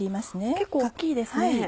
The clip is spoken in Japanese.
結構大きいですね。